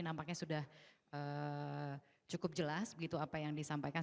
nampaknya sudah cukup jelas begitu apa yang disampaikan